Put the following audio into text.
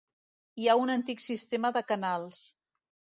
Hi ha un antic sistema de canals.